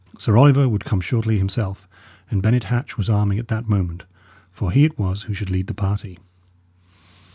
Sir Oliver would come shortly himself, and Bennet Hatch was arming at that moment, for he it was who should lead the party.